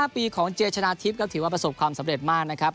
๕ปีของเจชนะทิพย์ก็ถือว่าประสบความสำเร็จมากนะครับ